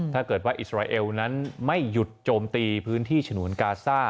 ถ้าเกิดว่าอิสราเอลนั้นไม่หยุดโจมตีพื้นที่ฉนวนกาซ่า